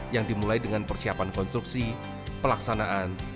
yang dimulai dengan persiapan konstruksi pelaksanaan